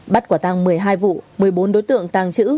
bắt quả tàng một mươi hai vụ một mươi bốn đối tượng tàng chữ